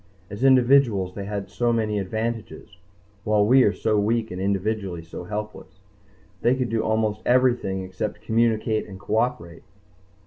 As individuals they had so many advantages, while we are so weak and individually so helpless. They could do almost everything except communicate and cooperate.